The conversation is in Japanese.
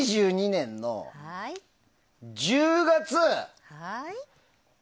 ２０２２年の１０月１１！